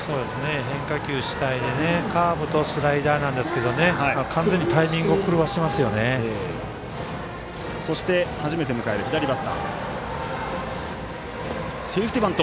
変化球主体でカーブとスライダーなんですけど完全にタイミングをそして、初めて迎える左バッター。